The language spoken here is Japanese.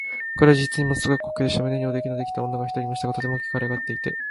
これは実にもの凄い光景でした。胸におできのできた女が一人いましたが、とても大きく脹れ上っていて、